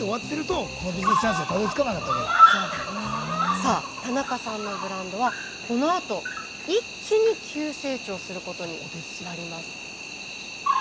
さあ田中さんのブランドはこのあと一気に急成長することになります。